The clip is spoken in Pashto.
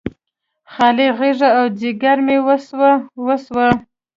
خالي غیږه او ځیګر مې وسوه، وسوه